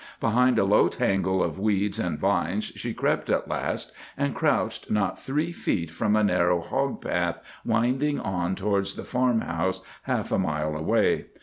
Behind a low tangle of weeds and vines she crept at last, and crouched not three feet from a narrow hog path winding on towards the farm house half a mile away.